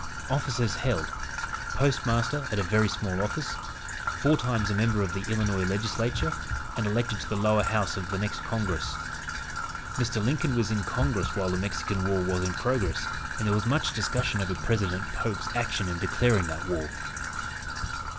"Offices held: Postmaster at a very small office; four times a member of the Illinois Legislature, and elected to the lower House of the next Congress." Mr. Lincoln was in Congress while the Mexican War was in progress, and there was much discussion over President Polk's action in declaring that war.